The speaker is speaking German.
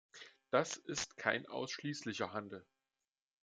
Das ist kein ausschließlicher Handel.